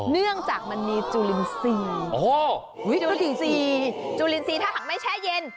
เนื่องจากมันมีจุลินซีโอ้โหจุลินซีจุลินซีถ้าหากไม่แช่เย็น